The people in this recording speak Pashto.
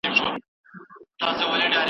یوه نجلۍ زما تر څنگ ناسته وه.